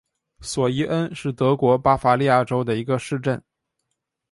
索伊恩是德国巴伐利亚州的一个市镇。